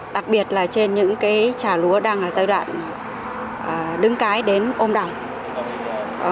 đặc biệt là trên những cái trà lúa đang ở giai đoạn đứng cái đến ôm đỏ